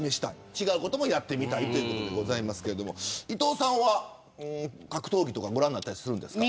違うことをやってみたいということですが伊藤さんは格闘技とかご覧になったりしますか。